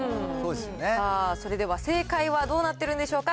それでは、正解はどうなってるんでしょうか。